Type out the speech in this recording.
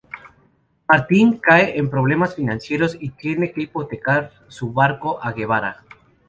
Martín cae en problemas financieros y tiene que hipotecar su barco a Guevara.